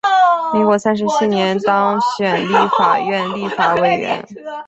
民国三十七年当选立法院立法委员。